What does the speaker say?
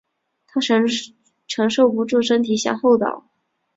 她承受不住身体向后倒